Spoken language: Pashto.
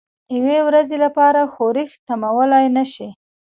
یوې ورځې لپاره ښورښ تمویلولای نه شي.